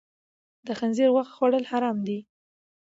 د خنزیر غوښه خوړل حرام دي.